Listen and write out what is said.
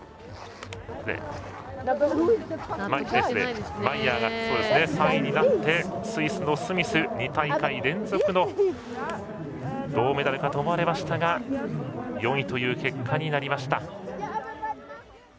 失礼、マイヤーが３位になってドイツのスミス２大会連続の銅メダルかと思われましたが４位という結果になりました。